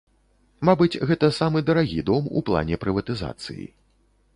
Мабыць, гэта самы дарагі дом у плане прыватызацыі.